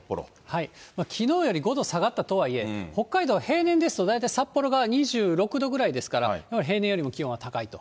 きのうより５度下がったとはいえ、北海道は平年ですと、大体札幌が２６度ぐらいですから、平年よりも気温は高いと。